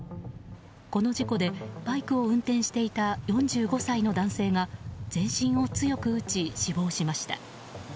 この事故でバイクを運転していた４５歳の男性が全身を強く打ち死亡しました。